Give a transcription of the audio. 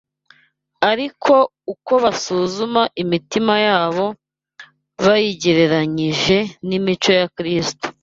ariko uko basuzuma imitima yabo bayigereranyije n’imico ya Kristo